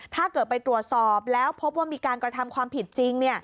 ถ้าเกิดไปตรวจสอบแล้วพบว่ามีการกระทำความผิดจริง